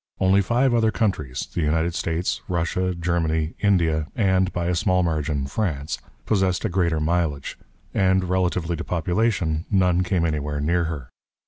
Only five other countries the United States, Russia, Germany, India, and, by a small margin, France possessed a greater mileage; and, relatively to population, none came anywhere near her.